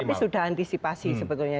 tetapi sudah antisipasi sebetulnya